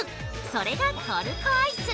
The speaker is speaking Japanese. それがトルコアイス。